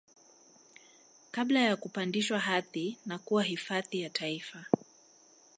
Kabla ya kupandishwa hadhi na kuwa hifadhi ya taifa